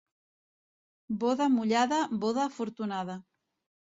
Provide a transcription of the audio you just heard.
Boda mullada, boda afortunada.